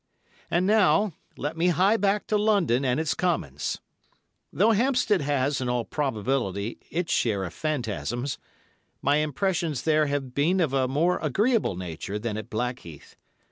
And now, let me hie back to London and its commons. Though Hampstead has, in all probability, its share of phantasms, my impressions there have been of a more agreeable nature than at Blackheath.